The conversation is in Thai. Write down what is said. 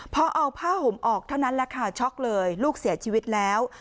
พอเอาผ้าห่มออกเท่านั้นแหละค่ะช็อกเลยลูกเสียชีวิตแล้ว